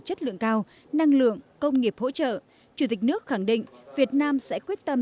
chất lượng cao năng lượng công nghiệp hỗ trợ chủ tịch nước khẳng định việt nam sẽ quyết tâm